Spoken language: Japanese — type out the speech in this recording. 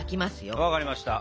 分かりました。